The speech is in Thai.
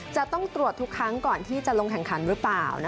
จะต้องตรวจทุกครั้งก่อนที่จะลงแข่งขันหรือเปล่า